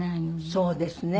そうですね。